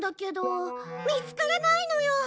見つからないのよ！